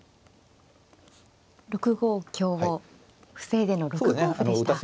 ６五香を防いでの６五歩でした。